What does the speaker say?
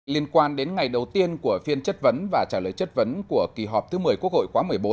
liên quan đến ngày đầu tiên của phiên chất vấn và trả lời chất vấn của kỳ họp thứ một mươi quốc hội quá một mươi bốn